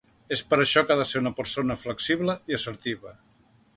És per això que ha de ser una persona flexible i assertiva.